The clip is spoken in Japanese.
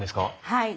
はい。